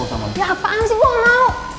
ya apaan sih gue gak mau